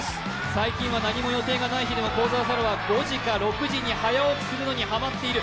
最近は何も予定がない日でも幸澤沙良、５時か６時に起きることにハマっている。